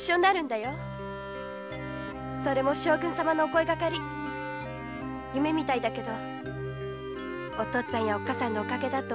それも将軍様のお声がかり夢みたいだけどお父っつぁんやおっ母さんのお陰だと思う。